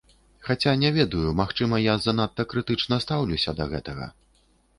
Хаця, не ведаю, магчыма, я занадта крытычна стаўлюся да гэтага.